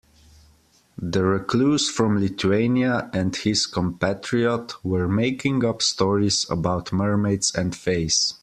The recluse from Lithuania and his compatriot were making up stories about mermaids and fays.